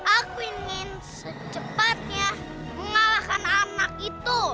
aku ingin secepatnya mengalahkan anak itu